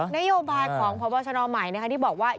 นโยบายของพบชนใหม่ที่บอกว่า